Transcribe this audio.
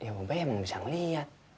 gua kan ubah ya ubah emang bisa liat